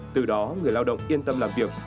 từ đó người lao động yên tâm làm việc